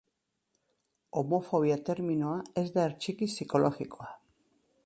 Homofobia terminoa ez da hertsiki psikologikoa.